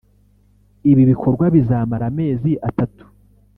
Ibi bikorwa bizamara amezi atatu